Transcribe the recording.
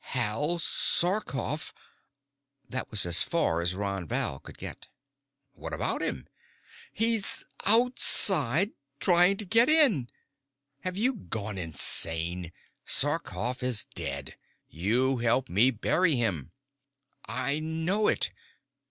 "Hal Sarkoff " That was as far as Ron Val could get. "What about him?" "He's outside trying to get in!" "Have you gone insane? Sarkoff is dead. You helped me bury him." "I know it.